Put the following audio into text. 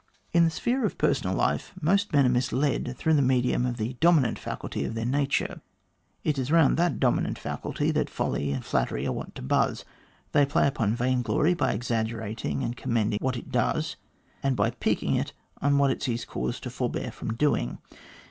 In the sphere of personal life most men are misled through the medium of the dominant faculty of their nature. It is round that dominant faculty that folly and flattery are wont to buzz. They play upon vain glory by exaggerating and commending what it does, and by piquing it on what it sees cause to forbear from doing.